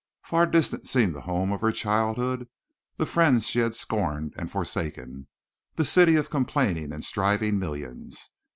Far distant seemed the home of her childhood, the friends she had scorned and forsaken, the city of complaining and striving millions.